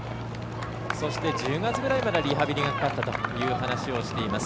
そして１０月ぐらいまでリハビリがかかったという話をしています。